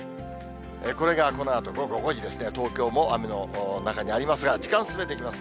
これがこのあと午後５時ですね、東京も雨の中にありますが、時間進めていきます。